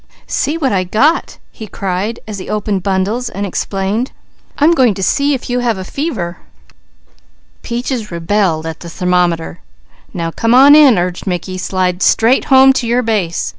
"See what I got!" he cried as he opened bundles and explained. "I'm going to see if you have fever." Peaches rebelled at the thermometer. "Now come on in," urged Mickey. "Slide straight home to your base!